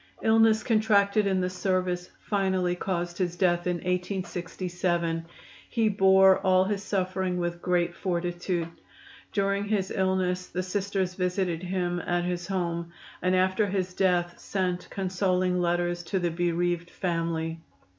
Illness contracted in the service finally caused his death in 1867. He bore all his suffering with great fortitude. During his illness the Sisters visited him at his home, and after his death sent consoling letters to the bereaved family.